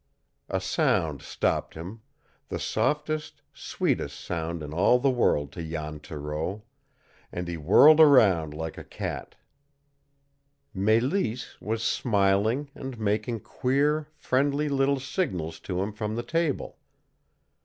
A sound stopped him the softest, sweetest sound in all the world to Jan Thoreau and he whirled around like a cat. Mélisse was smiling and making queer, friendly little signals to him from the table.